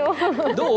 どう？